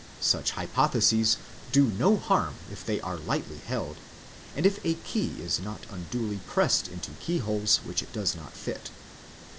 Such hypotheses do no harm if they are lightly held, and if a key is not unduly pressed into keyholes which it does not fit.